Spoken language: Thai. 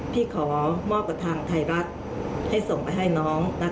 พี่ขอมอบกับทางไทยรัฐให้ส่งไปให้น้องนะคะ